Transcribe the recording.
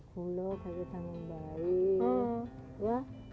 kuluk beritamu baik